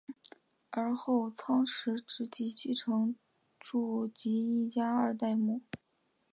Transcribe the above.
而后仓持直吉继承住吉一家二代目。